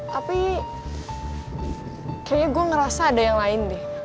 tapi kayaknya gue ngerasa ada yang lain deh